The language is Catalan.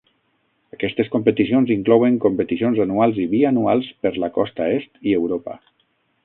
Aquestes competicions inclouen competicions anuals i bianuals per la costa est i Europa.